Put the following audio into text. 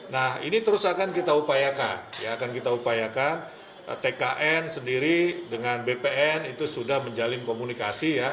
nah ini terus akan kita upayakan tkn sendiri dengan bpn itu sudah menjalin komunikasi